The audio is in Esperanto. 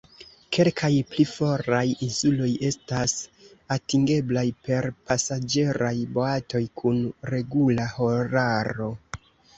Kelkaj pli foraj insuloj estas atingeblaj per pasaĝeraj boatoj kun regula horaro.